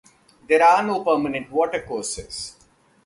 There are no permanent watercourses.